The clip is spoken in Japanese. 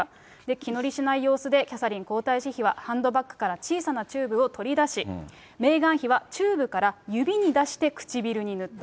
気乗りしない様子で、キャサリン皇太子妃はハンドバッグから小さなチューブを取り出し、メーガン妃はチューブから指に出して唇に塗った。